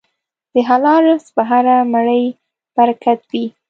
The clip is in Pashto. د حلال رزق په هره مړۍ برکت وي.